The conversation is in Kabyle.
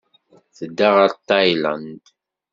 Tedda ɣer Tayland.